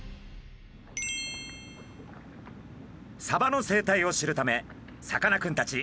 サバの生態を知るためさかなクンたち